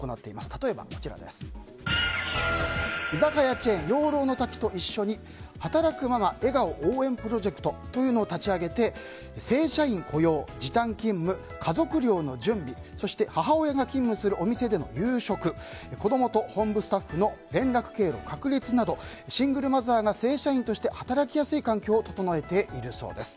例えば、居酒屋チェーン養老乃瀧と一緒に働くママ笑顔応援プロジェクトというのを立ち上げて正社員雇用、時短勤務家族寮の準備そして母親が勤務するお店での夕食子供と本部スタッフの連絡経路確立などシングルマザーが正社員として働きやすい環境を整えているそうです。